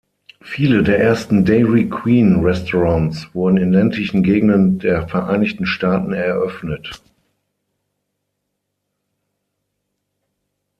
Viele der ersten Dairy-Queen-Restaurants wurden in ländlichen Gegenden der Vereinigten Staaten eröffnet.